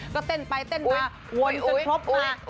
ก็เต้นไปเต้นมาวนจนครบมา